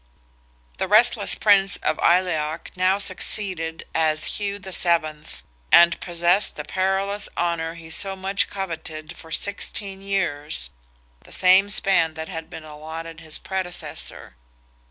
The restless Prince of Aileach now succeeded as Hugh VII., and possessed the perilous honour he so much coveted for sixteen years, the same span that had been allotted to his predecessor.